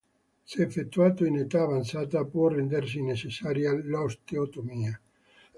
Se effettuato in età avanzata, può rendersi necessaria l'osteotomia.